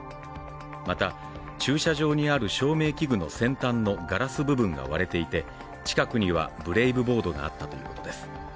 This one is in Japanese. また駐車場にある照明器具の先端のガラス部分が割れていて近くにはブレイブボードがあったということです。